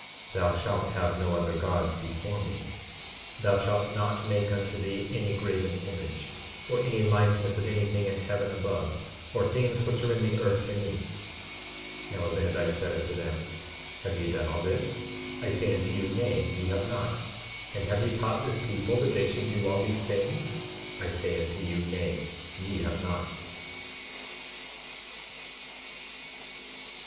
12:35 Thou shalt have no other God before me. 12:36 Thou shalt not make unto thee any graven image, or any likeness of any thing in heaven above, or things which are in the earth beneath. 12:37 Now Abinadi said unto them, Have ye done all this? I say unto you, Nay, ye have not. And have ye taught this people that they should do all these things? I say unto you, Nay, ye have not.